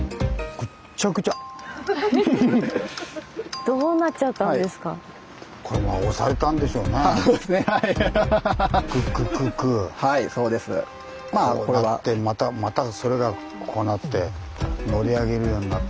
こうなってまたそれがこうなって乗り上げるようになって。